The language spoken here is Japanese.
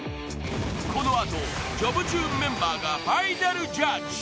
このあと、「ジョブチューン」メンバーがファイナルジャッジ。